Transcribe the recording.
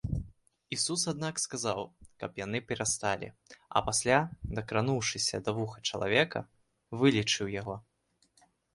Ісус, аднак сказаў, каб яны перасталі, а пасля, дакрануўшыся да вуха чалавека, вылечыў яго.